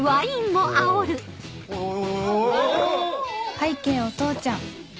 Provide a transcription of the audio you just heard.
拝啓お父ちゃん